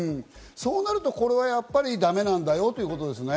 そうなるとこれは、やっぱりだめなんだよということですね。